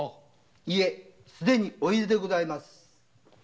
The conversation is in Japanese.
いえすでにお出でございます。